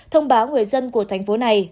thông báo người dân của thành phố này